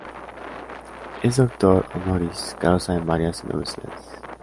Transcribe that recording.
Es Doctor honoris causa en varias Universidades.